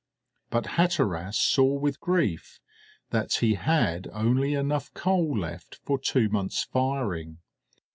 But Hatteras saw with grief that he had only enough coal left for two months' firing.